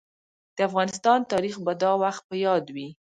د افغانستان تاريخ به دا وخت په ياد وي.